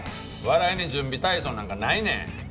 笑いに準備体操なんかないねん。